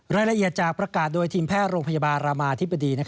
รายละเอียดจากประกาศโดยทีมแพทย์โรงพยาบาลรามาธิบดี